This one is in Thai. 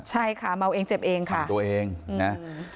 ใช่ค่ะเมาเองเจ็บเองค่ะตัวเองนะ